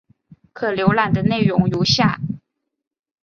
可浏览的内容如下。